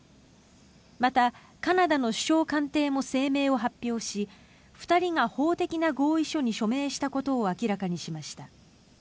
また、カナダの首相官邸も声明を発表し２人が法的な合意書に署名したことを明らかにしました。